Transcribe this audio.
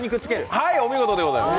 はい、お見事でございます！